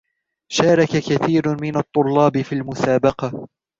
شارك كثير من الطلاب في المسابقة.